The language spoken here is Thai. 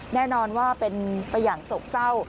แน่นอนว่าเป็นไปอย่างโศกเศร้า